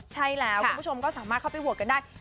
ใช่แล้วคุณผู้ชมก็สามารถเข้าไปโหวตกันได้